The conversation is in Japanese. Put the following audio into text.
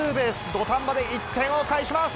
土壇場で１点を返します。